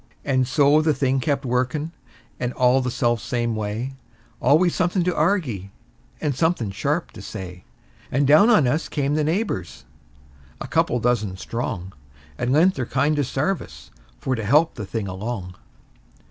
And so the thing kept workin', and all the self same way; Always somethin' to arg'e, and somethin' sharp to say; And down on us came the neighbors, a couple dozen strong, And lent their kindest sarvice for to help the thing along.